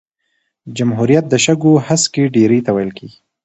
جمهوریت د شګو هسکی ډېرۍ ته ویل کیږي.